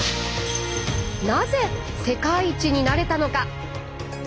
なぜ世界一になれたのか？